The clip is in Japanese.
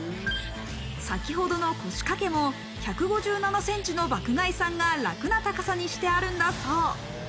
先ほどの腰かけも１５７ｃｍの爆買いさんが楽な高さにしてあるんだそう。